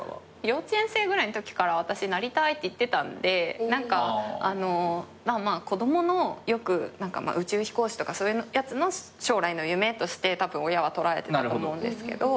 幼稚園生ぐらいのときから私なりたいって言ってたんで何かあの子供のよく宇宙飛行士とかそういうやつの将来の夢としてたぶん親は捉えてたと思うんですけど。